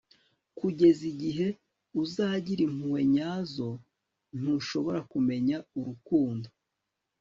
kugeza igihe uzagira impuhwe nyazo, ntushobora kumenya urukundo